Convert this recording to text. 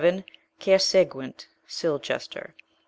Cair segeint (Silchester).